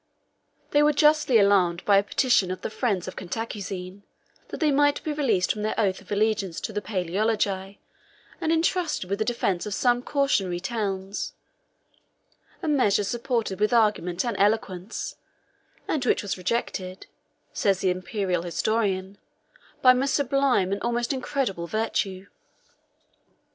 They were justly alarmed by a petition of the friends of Cantacuzene, that they might be released from their oath of allegiance to the Palæologi, and intrusted with the defence of some cautionary towns; a measure supported with argument and eloquence; and which was rejected (says the Imperial historian) "by my sublime, and almost incredible virtue."